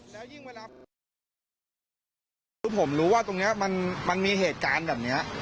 แล้วยิ่งเวลาคือผมรู้ว่าตรงนี้มันมีเหตุการณ์แบบนี้